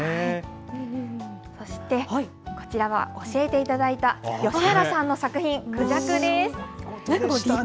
そしてこちらは、教えていただいた吉原さんの作品、孔雀です。